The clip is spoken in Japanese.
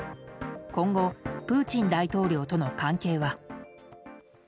今後、プーチン大統領との関係は。